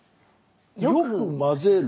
よく混ぜる。